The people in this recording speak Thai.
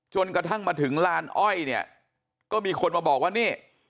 จนกระทั่งมาถึงลานอ้อยเนี่ยก็มีคนมาบอกว่านี่